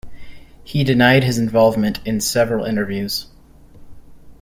He denied his involvement in several interviews.